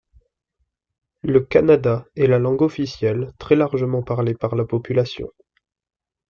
Le kannada est la langue officielle, très largement parlée par la population.